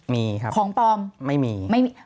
มีครับของปว่ำไม่มี